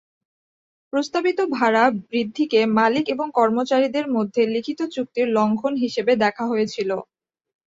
প্রস্তাবিত ভাড়া বৃদ্ধিকে মালিক এবং কর্মচারীদের মধ্যে লিখিত চুক্তির লঙ্ঘন হিসাবে দেখা হয়েছিল।